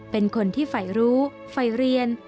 เป็นคนที่ฝ่ายรู้ฝ่ายเรียน